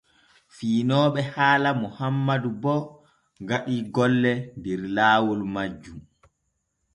Fiinooɓe haala Mohammadu bo gaɗii golle der laawol majjum.